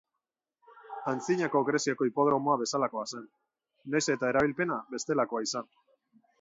Antzinako Greziako hipodromoa bezalakoa zen, nahiz eta erabilpena bestelakoa izan.